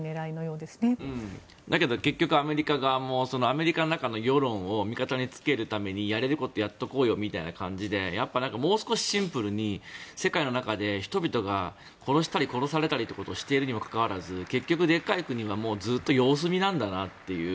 でも結局アメリカもアメリカの中の世論を味方につけるためにやれることをやっておこうよみたいな感じでもう少しシンプルに世界の中で人々が殺したり殺されたりということをしているにもかかわらず結局、でかい国はずっと様子見なんだなという。